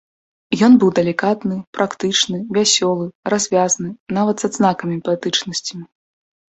Ён быў далікатны, практычны, вясёлы, развязны, нават з адзнакамі паэтычнасці.